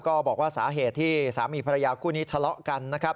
ก็บอกว่าสาเหตุที่สามีภรรยาคู่นี้ทะเลาะกันนะครับ